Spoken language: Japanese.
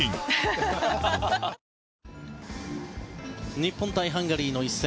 日本対ハンガリーの一戦。